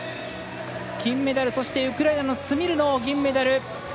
金メダル、そしてウクライナのスミルノウ、銀メダル。